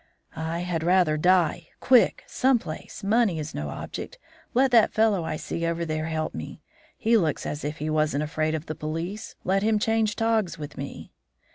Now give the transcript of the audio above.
"'I had rather die. Quick! Some place! Money is no object. Let that fellow I see over there help me. He looks as if he wasn't afraid of the police. Let him change togs with me.'